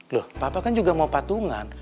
loh papa kan juga mau patungan